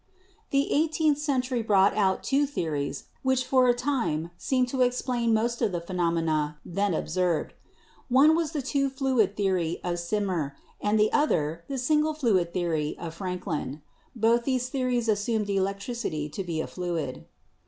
The eighteenth century brought out two theories which for a time seemed to explain most of the phenomena then observed: one was the two fluid theory of Symmer and the other the single fluid theory of Franklin. Both these theories assumed electricity to be a fluid.